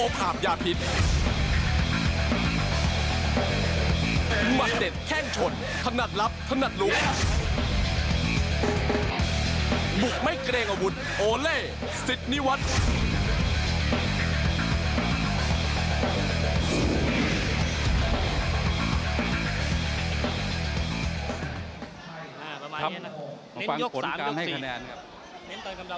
ประมาณนี้นะมองฟังผลการให้คะแนนครับ